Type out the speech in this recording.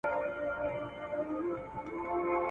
خراب مال په خلکو مه پلورئ.